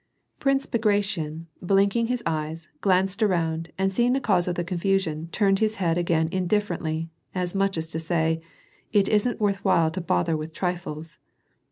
Prince Bagration, blinking his eyes, glanced around and see ing the cause of the confusion turned his head again indiffer ently, as much as to say :" It isn't worth while to bother with trifles."